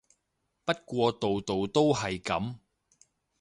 不過度度都係噉